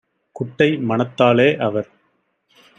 குட்டை மனத்தாலே - அவர்